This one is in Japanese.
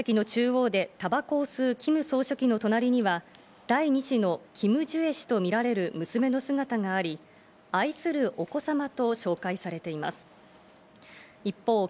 観覧席の中央でタバコを吸うキム総書記の隣には、第２子のキム・ジュエ氏とみられる娘の姿があり、愛するお子様と紹介されています。